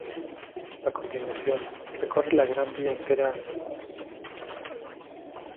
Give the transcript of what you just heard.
A continuación, recorre la Gran Vía entera hasta salir a la calle de Alcalá.